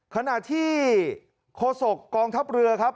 ขณะที่โฆษกกองทัพเรือครับ